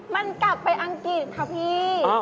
มันกลับไปอังกฤษค่ะพี่